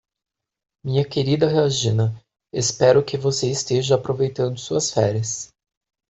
Minha querida Regina, espero que você esteja aproveitando suas férias.